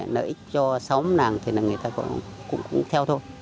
nợ ích cho xóm nàng thì người ta cũng theo thôi